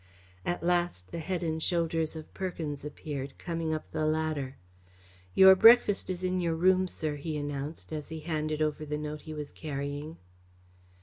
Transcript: At last the head and shoulders of Perkins appeared, coming up the ladder. "Your breakfast is in your room, sir," he announced, as he handed over the note he was carrying.